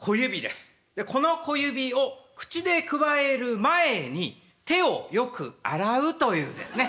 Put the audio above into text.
この小指を口でくわえる前に手をよく洗うというですね